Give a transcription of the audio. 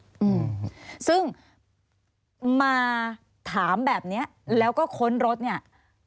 อืมซึ่งมาถามแบบเนี้ยแล้วก็ค้นรถเนี้ย